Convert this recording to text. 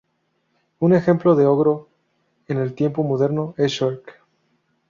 Un ejemplo de Ogro en el tiempo moderno es Shrek.